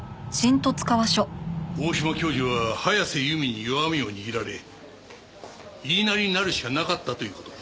大島教授は早瀬由美に弱みを握られ言いなりになるしかなかったという事か。